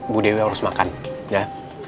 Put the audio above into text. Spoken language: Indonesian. bu dewi harus makan ya